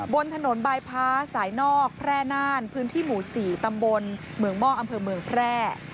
บนถนนบายพ้าสายนอกแพร่น่านพื้นที่หมู่๔ตำบลเมืองหม้ออำเภอเมืองแพร่